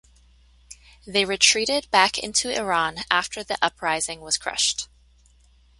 They retreated back into Iran after the uprising was crushed.